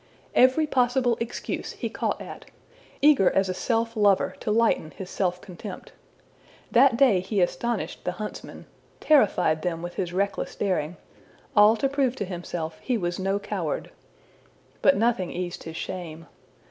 Every possible excuse he caught at, eager as a self lover to lighten his self contempt. That day he astonished the huntsmen terrified them with his reckless daring all to prove to himself he was no coward. But nothing eased his shame.